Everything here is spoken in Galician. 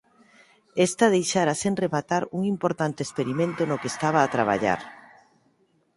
Esta deixara sen rematar un importante experimento no que estaba a traballar.